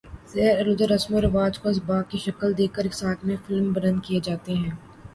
زہر آلودہ رسم و رواج کو اسباق کی شکل دے کر اقساط میں فلم بند کئے جاتے ہیں